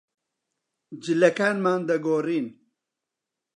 جلەکانمان دەگۆڕین.